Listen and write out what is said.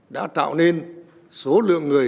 đã tạo nên số lượng người